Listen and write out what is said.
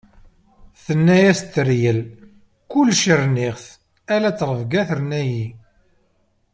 Tenna-as tteryel: "Kullec rniɣ-t, ar ttṛebga terna-yi."